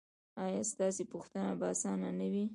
ایا ستاسو پوښتنه به اسانه نه وي؟